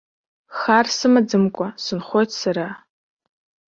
Хар сымаӡамкәа сынхоит сара.